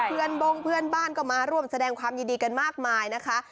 บงเพื่อนบ้านก็มาร่วมแสดงความยินดีกันมากมายนะคะ